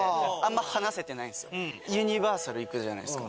ユニバーサル行くじゃないですか。